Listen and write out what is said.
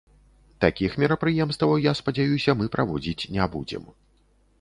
Такіх мерапрыемстваў, я спадзяюся, мы праводзіць не будзем.